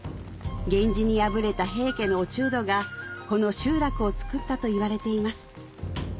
源氏に敗れた平家の落人がこの集落をつくったといわれています